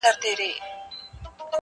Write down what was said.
o دا به نو حتمي وي کرامت د نوي کال.